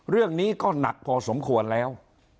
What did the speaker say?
เรื่องนี้ก็หนักพอสมควรแล้ว